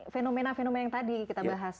fenomena fenomena yang tadi kita bahas